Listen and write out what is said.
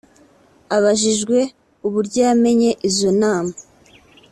Abajijwe uburyo yamenye izo nama